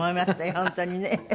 本当にね。